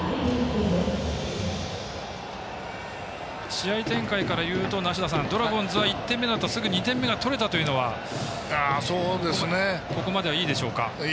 試合展開からいうとドラゴンズは１点目のあとすぐ２点目が取れたというのはここまではいいでしょうか？